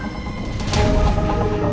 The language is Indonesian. tugas kamu muda satria